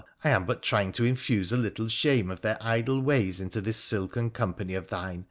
I am but trying to infuse a little shame of their idle ways into this silken company of thine.